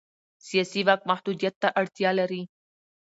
سیاسي واک محدودیت ته اړتیا لري